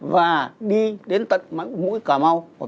và đi đến tận mũi cà mau